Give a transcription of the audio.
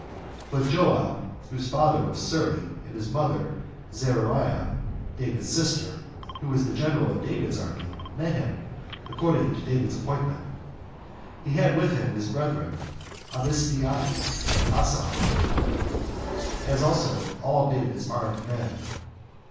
But Joab, whose father was Suri, and his mother Zeruiah, David's sister, who was general of David's army, met him, according to David's appointment. He had with him his brethren, Abishai and Asahel, as also all David's armed men.